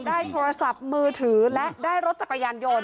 ได้โทรศัพท์มือถือและได้รถจักรยานยนต์